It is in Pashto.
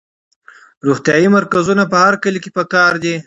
روغتیایي مرکزونه په هر کلي کې پکار دي.